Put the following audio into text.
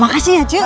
makasih ya ce